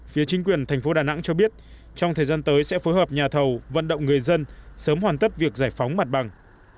phía chính quyền thành phố đà nẵng cho biết trong thời gian tới sẽ phối hợp nhà thầu vận động người dân sớm hoàn tất việc giải phóng mặt bằng